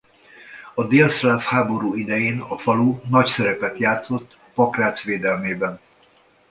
A délszláv háború idején a falu nagy szerepet játszott Pakrác védelmében.